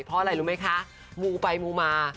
เพราะอะไรรู้ไหมคะมูไปมูมา